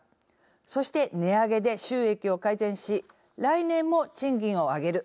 そして、値上げで収益を改善し来年も賃金を上げる。